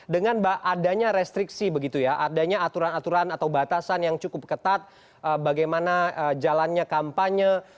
dengan adanya restriksi begitu ya adanya aturan aturan atau batasan yang cukup ketat bagaimana jalannya kampanye